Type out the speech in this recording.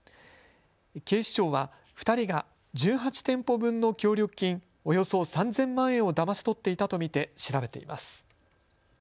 警視庁は２人が１８店舗分の協力金およそ３０００万円をだまし取っていたと見て調べています。